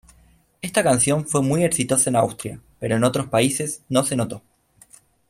Esta canción fue muy exitosa en Austria, pero en otros países no se notó.